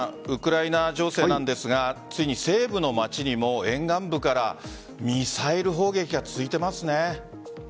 ウクライナ情勢なんですがついに西部の街にも沿岸部からミサイル砲撃が続いていますね。